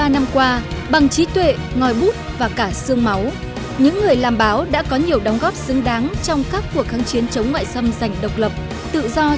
bốn mươi năm qua bằng trí tuệ ngòi bút và cả xương máu những người làm báo đã có nhiều đóng góp xứng đáng trong các cuộc kháng chiến chống ngoại xâm giành độc lập tự do